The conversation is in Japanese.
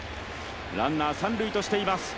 ランナー、三塁としています。